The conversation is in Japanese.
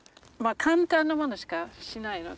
簡単なものしかしないの。